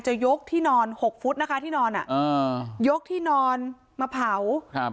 ยกที่นอนหกฟุตนะคะที่นอนอ่ะอ่ายกที่นอนมาเผาครับ